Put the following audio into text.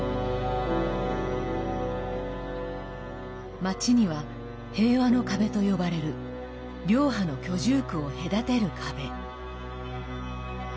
街には平和の壁と呼ばれる両派の居住区を隔てる壁。